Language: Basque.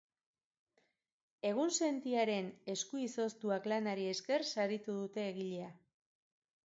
Egunsentiaren esku izoztuak lanari esker saritu dute egilea.